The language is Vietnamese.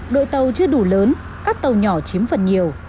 đội tàu chưa đủ lớn các tàu nhỏ chiếm phần nhiều